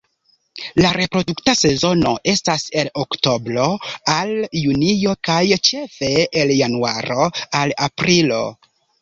La reprodukta sezono estas el oktobro al junio kaj ĉefe el januaro al aprilo.